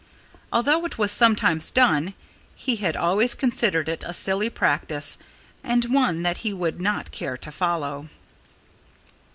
Although it was sometimes done, he had always considered it a silly practice and one that he would not care to follow.